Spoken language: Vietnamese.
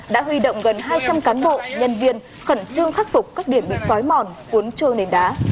đã huy động gần hai trăm linh cán bộ nhân viên khẩn trương khắc phục các điểm bị xói mòn cuốn trôi nền đá